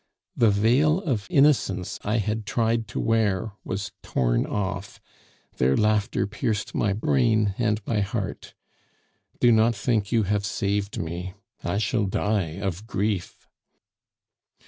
The veil of innocence I had tried to wear was worn off; their laughter pierced my brain and my heart. Do not think you have saved me; I shall die of grief."